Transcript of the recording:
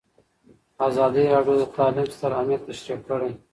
ازادي راډیو د تعلیم ستر اهميت تشریح کړی.